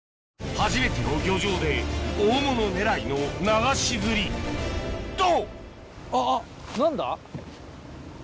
初めての漁場で大物狙いの流し釣りと！